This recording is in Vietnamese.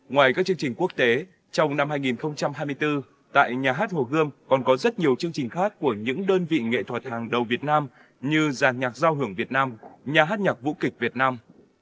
ngoài các chương trình quốc tế trong năm hai nghìn hai mươi bốn tại nhà hát hồ gươm còn có rất nhiều chương trình khác của những đơn vị nghệ thuật hàng đầu việt nam như giàn nhạc giao hưởng việt nam nhà hát nhạc vũ kịch việt nam